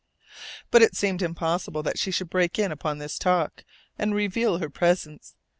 But it seemed impossible that she should break in upon this talk and reveal her presence.